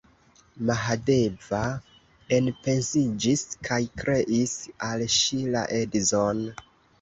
Mahadeva enpensiĝis kaj kreis al ŝi la edzon!